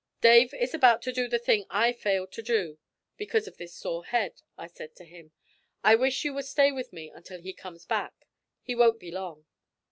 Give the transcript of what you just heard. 'Dave is about to do the thing I failed to do, because of this sore head,' I said to him. 'I wish you would stay with me until he comes back. He won't be long.'